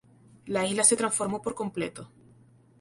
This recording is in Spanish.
La isla se transformó por completo.